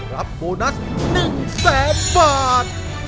โบนัส๑แสนบาท